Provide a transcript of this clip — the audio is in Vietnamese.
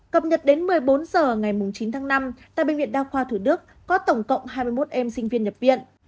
cập nhật đến một mươi bốn h ngày chín tháng năm tại bệnh viện đa khoa thủ đức có tổng cộng hai mươi một em sinh viên nhập viện